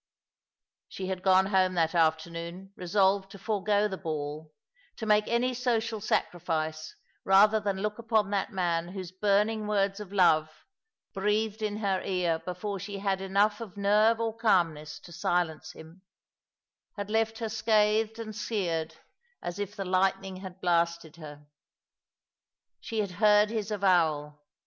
Bhe had gone home that afternoon resolved to forego the ball, to make any social Bacrifice rather than look upon that man whose burning words of love, breathed in her ear before she had enough of nerve or calmness to silence him, had left her scathed and Beared as if the lightning had blasted her. She had heard his avowal.